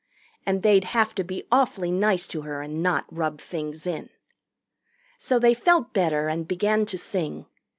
And they'd have to be awfully nice to her and not rub things in. So they felt better and began to sing.